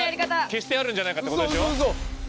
消してあるんじゃないかってことでしょ？